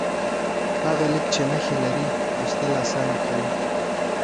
هغه لیک چې نښې لري، لوستل اسانه کوي.